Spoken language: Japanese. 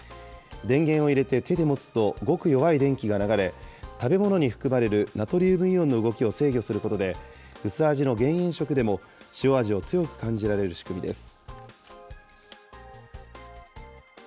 電源を入れて手で持つと、ごく弱い電気が流れ、食べ物に含まれるナトリウムイオンの動きを制御することで、薄味の減塩食でも塩味を強く感じられる仕組みです。